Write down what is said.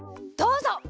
どうぞ！